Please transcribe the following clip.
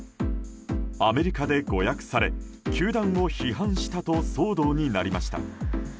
アメリカで誤訳され、球団を批判したと騒動になりました。